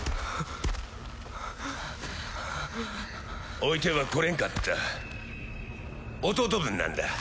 置いては来れんかった弟分なんだ